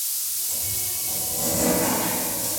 ادبیات د انسان د روح سکون بلل کيږي.